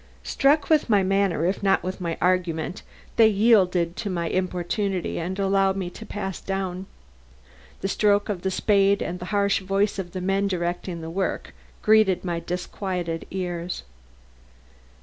Struck with my manner if not with my argument, they yielded to my importunity and allowed me to pass down. The stroke of the spade and the harsh voice of the man directing the work greeted my disquieted ears.